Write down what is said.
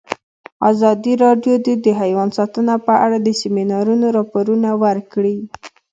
ازادي راډیو د حیوان ساتنه په اړه د سیمینارونو راپورونه ورکړي.